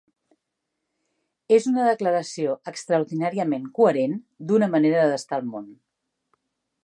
És una declaració extraordinàriament coherent d'una manera d'estar al món.